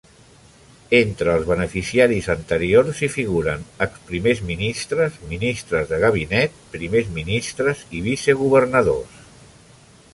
Entre els beneficiaris anteriors hi figuren exprimers ministres, ministres de gabinet, primers ministres i vicegovernadors.